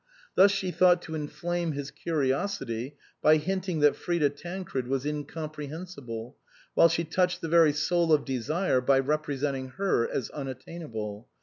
Thus she thought to inflame his curiosity by hinting that Frida Tancred was incomprehensible, while she touched the very soul of desire by representing her as unattainable.